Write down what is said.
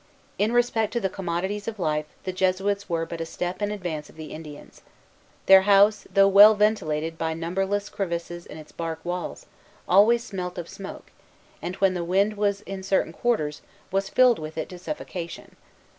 In respect to the commodities of life, the Jesuits were but a step in advance of the Indians. Their house, though well ventilated by numberless crevices in its bark walls, always smelt of smoke, and, when the wind was in certain quarters, was filled with it to suffocation.